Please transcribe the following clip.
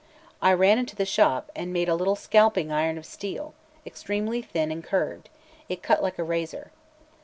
I ran into the shop, and made a little scalping iron of steel, extremely thin and curved; it cut like a razor.